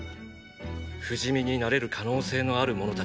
不死身になれる可能性のある者たちだ。